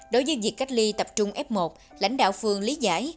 đối với việc cách ly tập trung f một lãnh đạo phường lý giải